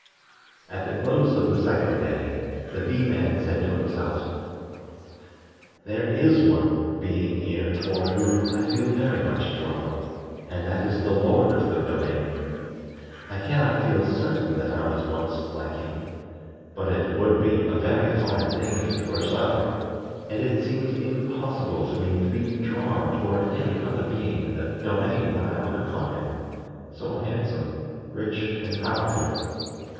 At the close of the second day, the Bee man said to himself: "There is one being here toward whom I feel very much drawn, and that is the Lord of the Domain. I cannot feel certain that I was once like him, but it would be a very fine thing if it were so; and it seems impossible for me to be drawn toward any other being in the domain when I look upon him, so handsome, rich, and powerful.